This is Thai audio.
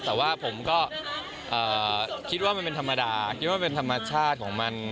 แต่ว่าผมก็คิดว่ามันเป็นธรรมดาคิดว่าเป็นธรรมชาติของมัน